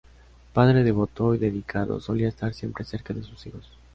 Padre devoto y dedicado, solía estar siempre cerca de sus hijos.